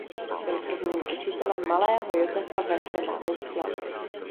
Byl prvním učitelem malého Josefa ve hře na housle.